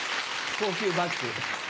高級バッグ。